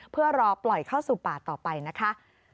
เพื่อรอปล่อยเข้าสู่ป่าต่อไปนะคะ